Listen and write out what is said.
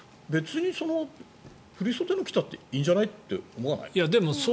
別に振り袖のが来たっていいんじゃないって。